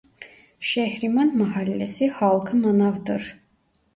Şehriman mahallesi halkı manavdır.